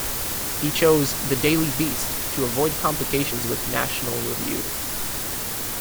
He chose "The Daily Beast" to avoid complications with "National Review".